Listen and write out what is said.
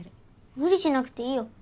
無理しなくていいよ。